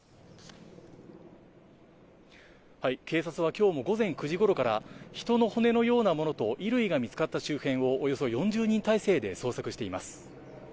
警察は今日も午前９時頃から人の骨のようなものと衣類が見つかった周辺をおよそ４０人態勢で捜索しています。